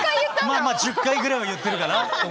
まあまあ１０回ぐらいは言ってるかな。